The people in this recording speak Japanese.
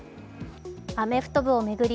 アメフト部を巡り